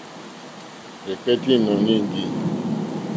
Rzɛ̀kɛ́tɛ́ ìnɔ̀ní íŋɡî.